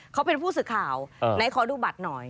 เขาเป็นผู้สื่อข่าวไหนขอดูบัตรหน่อย